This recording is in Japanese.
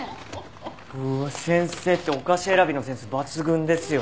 うわ先生ってお菓子選びのセンス抜群ですよね。